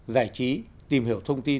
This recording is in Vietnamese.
giải trí tìm hiểu thông tin